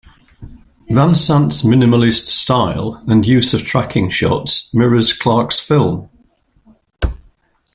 Van Sant's minimalist style and use of tracking shots mirrors Clarke's film.